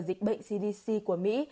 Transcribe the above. dịch bệnh cdc của mỹ